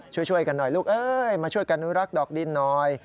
ช่วยกันหน่อยลูกมาช่วยการรักดอกดินหน่อย